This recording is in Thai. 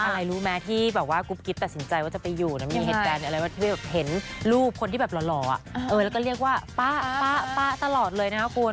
อะไรรู้แม้ที่กุ๊บกิ๊บตัดสินใจว่าจะไปอยู่นะมีเหตุแบบที่เห็นลูกคนที่แบบหล่อแล้วก็เรียกว่าป๊าตลอดเลยนะครับคุณ